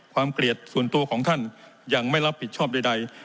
เกลียดส่วนตัวของท่านยังไม่รับผิดชอบใด